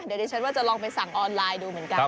เดี๋ยวดิฉันว่าจะลองไปสั่งออนไลน์ดูเหมือนกัน